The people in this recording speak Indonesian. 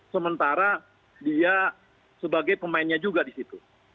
sementara dia sebagai pemainnya juga di situ